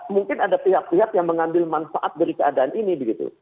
mungkin ada pihak pihak yang mengambil manfaat dari keadaan ini begitu